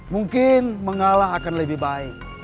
mungkin mengalah akan lebih baik